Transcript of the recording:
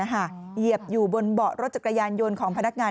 เหยียบอยู่บนเบาะรถจักรยานยนต์ของพนักงาน